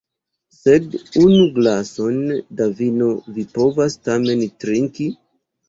Sed unu glason da vino vi povas tamen trinki?